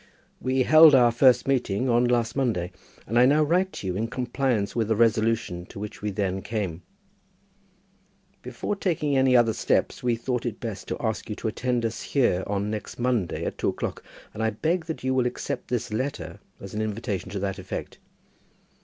We held our first meeting on last Monday, and I now write to you in compliance with a resolution to which we then came. Before taking any other steps we thought it best to ask you to attend us here on next Monday, at two o'clock, and I beg that you will accept this letter as an invitation to that effect.